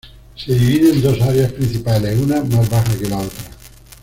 Se divide en dos áreas principales, una más baja que la otra.